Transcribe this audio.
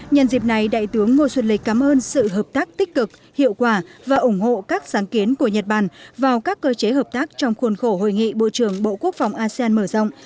nhân dịp này đại tướng ngô xuân lịch cảm ơn sự hợp tác tích cực hiệu quả và ủng hộ các sáng kiến của nhật bản vào các cơ chế hợp tác trong khuôn khổ hội nghị bộ trưởng bộ quốc phòng asean mở rộng